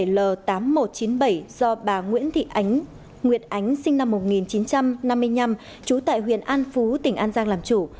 l tám nghìn một trăm chín mươi bảy do bà nguyễn thị ánh nguyệt ánh sinh năm một nghìn chín trăm năm mươi năm trú tại huyện an phú tỉnh an giang làm chủ